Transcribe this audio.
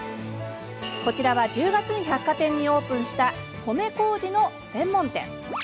こちらは１０月に百貨店にオープンした米こうじの専門店。